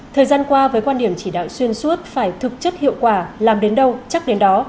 thời gian qua với quan điểm chỉ đạo xuyên suốt phải thực chất hiệu quả làm đến đâu chắc đến đó